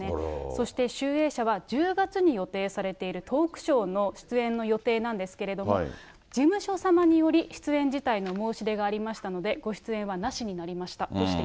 そして集英社は、１０月に予定されているトークショーの出演の予定なんですけれども、事務所様により、出演辞退のお申し出がありましたので、ご出演はなしになりました